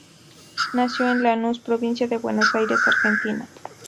Nació en Lanús, Provincia de Buenos Aires, Argentina.